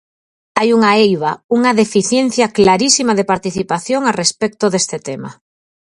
Hai unha eiva, unha deficiencia clarísima de participación a respecto deste tema.